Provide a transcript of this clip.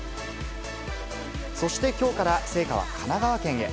そしてきょうから聖火は神奈川県へ。